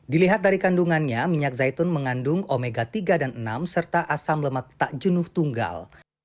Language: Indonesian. dilihat dari kandungannya minyak zaitun mengandung omega tiga dan enam serta asam lemak tak jenuh tunggal